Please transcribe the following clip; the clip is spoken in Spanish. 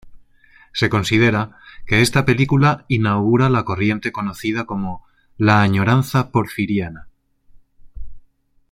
Se considera que esta película inaugura la corriente conocida como la "añoranza porfiriana".